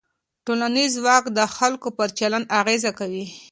ټولنیز ځواک د خلکو پر چلند اغېز کوي.